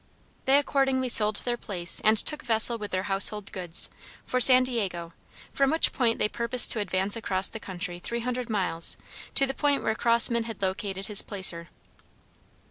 They accordingly sold their place and took vessel with their household goods, for San Diego, from which point they purposed to advance across the country three hundred miles to the point where Crossman had located his placer.